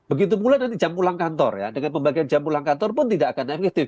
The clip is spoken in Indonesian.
begitu pula nanti jam pulang kantor ya dengan pembagian jam pulang kantor pun tidak akan efektif